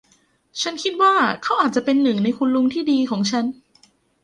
ฉันคิดว่าเขาอาจจะเป็นหนึ่งในคุณลุงที่ดีของฉัน